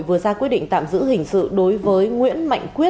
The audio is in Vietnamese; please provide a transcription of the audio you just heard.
vừa ra quyết định tạm giữ hình sự đối với nguyễn mạnh quyết